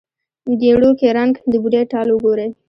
ګېڼو کې رنګ، د بوډۍ ټال وګورې